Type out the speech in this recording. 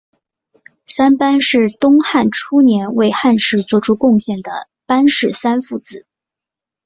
三班是东汉初年为汉室作出贡献的班氏三父子。